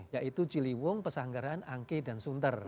yaitu ciliwung pesanggaran angke dan sunter